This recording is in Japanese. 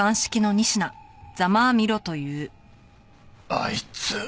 あいつ！